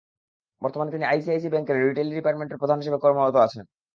বর্তমানে তিনি আইসিআইসি ব্যাংকের রিটেইল ডিপার্টমেন্টের প্রধান হিসেবে কর্মরত আছেন।